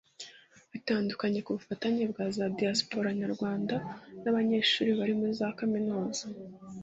bitandukanye ku bufatanye bwa za diaspora Nyarwanda n abanyeshuri bari muri za kaminuza